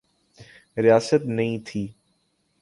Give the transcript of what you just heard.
ریاست نئی تھی۔